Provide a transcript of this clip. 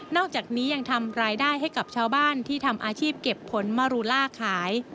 อกจากนี้ยังทำรายได้ให้กับชาวบ้านที่ทำอาชีพเก็บผลมารูล่าขาย